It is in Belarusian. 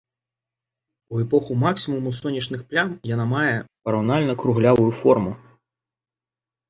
У эпоху максімуму сонечных плям яна мае параўнальна круглявую форму.